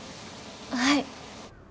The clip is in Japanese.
はい。